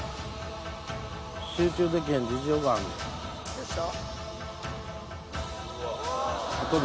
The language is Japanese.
どうした？